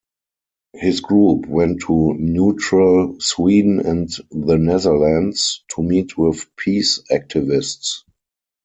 His group went to neutral Sweden and the Netherlands to meet with peace activists.